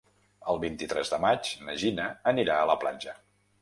El vint-i-tres de maig na Gina anirà a la platja.